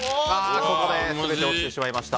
ここで全て落ちてしまいました。